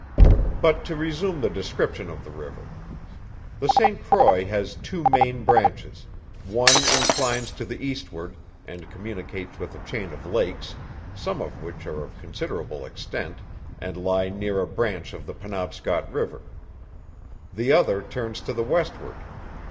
But to resume the description of the river. The St. Croix has two main branches, one inclines to the eastward, and communicates with a chain of lakes, some of which are of considerable extent, and lie near a branch of the Penobscot river. The other turns to the westward.